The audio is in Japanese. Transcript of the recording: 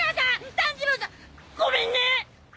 炭治郎さごめんね！